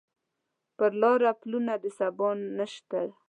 پر لاره پلونه د سبا نشته